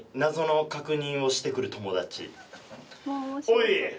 おい！